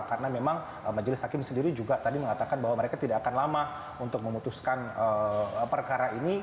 karena memang majelis hakim sendiri juga tadi mengatakan bahwa mereka tidak akan lama untuk memutuskan perkara ini